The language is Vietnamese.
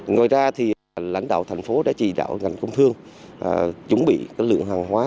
ngoài ra thì lãnh đạo thành phố đã chỉ đạo ngành công thương chuẩn bị lượng hàng hóa